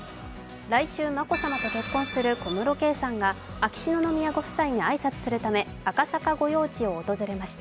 来週眞子さまと結婚する小室圭さんが秋篠宮ご夫妻に挨拶するため赤坂御用地を訪れました。